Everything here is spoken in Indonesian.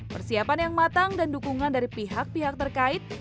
persiapan yang matang dan dukungan dari pihak pihak terkait